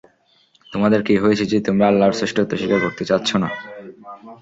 তোমাদের কী হয়েছে যে, তোমরা আল্লাহর শ্রেষ্ঠত্ব স্বীকার করতে চাচ্ছ না।